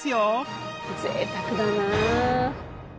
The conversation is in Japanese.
ぜいたくだなあ。